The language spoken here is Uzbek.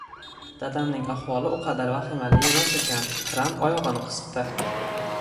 Dadamning ahvoli u qadar vahimali emas ekan, kran oyogʻini qisibdi.